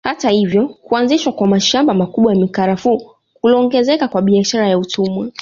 Hata hivyo kuanzishwa kwa mashamba makubwa ya mikarafuu kuliongezeka kwa biashara ya utumwa